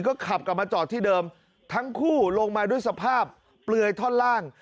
ก็ขับกลับมาจอดที่เดิมทั้งคู่ลงมาด้วยสภาพเปลือยท่อนล่าง